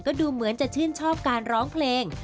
ก็ดูเหมือนจะชื่นชอบการร้องเพลง